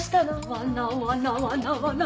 わなわなわなわな！